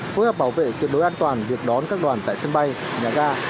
phối hợp bảo vệ tuyệt đối an toàn việc đón các đoàn tại sân bay nhà ga